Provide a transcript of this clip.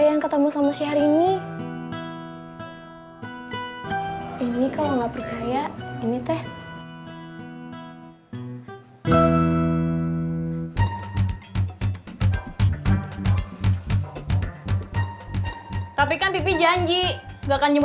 yang ketemu sama syah hari ini ini kalau nggak percaya ini teh tapi kan pipi janji bakal